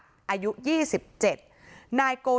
สวัสดีครับ